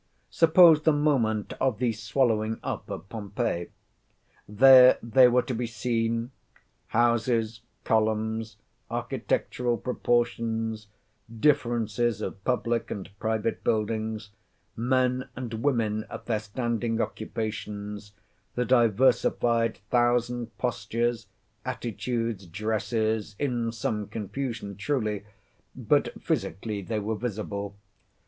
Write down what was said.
Suppose the moment of the swallowing up of Pompeii. There they were to be seen—houses, columns, architectural proportions, differences of public and private buildings, men and women at their standing occupations, the diversified thousand postures, attitudes, dresses, in some confusion truly, but physically they were visible.